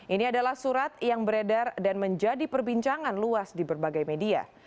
ini adalah surat yang beredar dan menjadi perbincangan luas di berbagai media